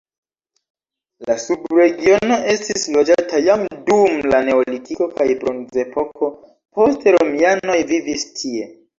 La subregiono estis loĝata jam dum la neolitiko kaj bronzepoko, poste romianoj vivis tie.